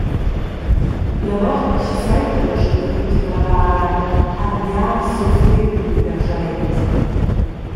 La notg suenter la scuvretga dalla bara han biars suffriu dil derschalet.